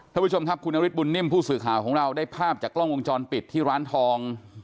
ท่านผู้ชมครับคุณนฤทธบุญนิ่มผู้สื่อข่าวของเราได้ภาพจากกล้องวงจรปิดที่ร้านทอง